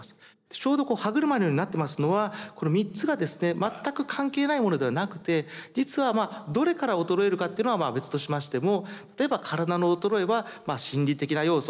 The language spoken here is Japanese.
ちょうど歯車のようになってますのはこの３つがですね全く関係ないものではなくて実はどれから衰えるかっていうのは別としましても例えば体の衰えは心理的な要素